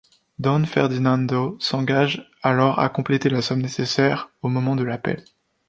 Don Ferdinando s'engage alors à compléter la somme nécessaire au moment de l'appel.